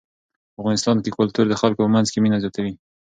په افغانستان کې کلتور د خلکو په منځ کې مینه زیاتوي.